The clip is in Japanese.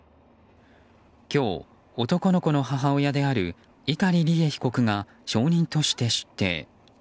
今日、男の子の母親である碇利恵被告が証人として出廷。